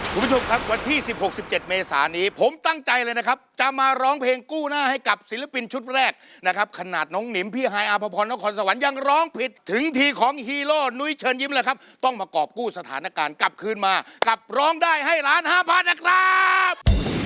คุณผู้ชมครับวันที่๑๖๑๗เมษานี้ผมตั้งใจเลยนะครับจะมาร้องเพลงกู้หน้าให้กับศิลปินชุดแรกนะครับขนาดน้องหนิมพี่ฮายอาภพรนครสวรรค์ยังร้องผิดถึงทีของฮีโร่นุ้ยเชิญยิ้มเลยครับต้องประกอบกู้สถานการณ์กลับคืนมากับร้องได้ให้ล้านห้าพันนะครับ